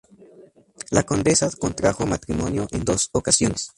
La condesa contrajo matrimonio en dos ocasiones.